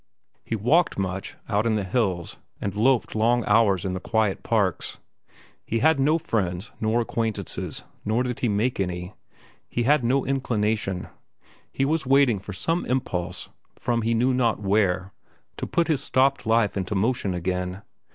He walked much, out in the hills, and loafed long hours in the quiet parks. He had no friends nor acquaintances, nor did he make any. He had no inclination. He was waiting for some impulse, from he knew not where, to put his stopped life into motion again.